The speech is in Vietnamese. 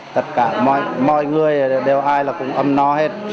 tất cả mọi người đều ai cũng âm no hết